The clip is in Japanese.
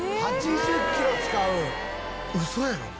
「８０キロ使うん？」